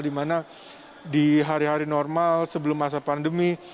di mana di hari hari normal sebelum masa pandemi